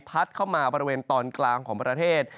เข้ามาบริเวณตอนกลางของประเทศ